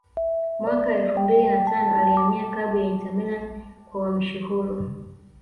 Mwaka elfu mbili na tano alihamia klabu ya Inter Milan kwa uhamisho huru